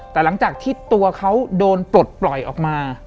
แต่หลังจากที่ตัวเขาโดนปลดปล่อยออกมา